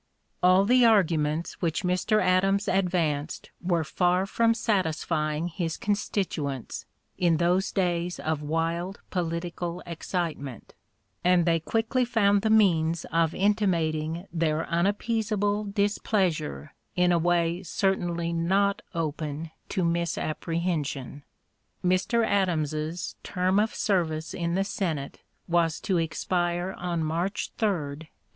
All the arguments which Mr. Adams advanced were far from satisfying his constituents in those days of wild political excitement, and they quickly found the means of intimating their unappeasable displeasure in a way certainly not open to misapprehension. Mr. Adams's term of service in the Senate was to expire on March 3, 1809.